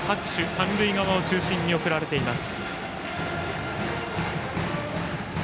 三塁側を中心に送られています。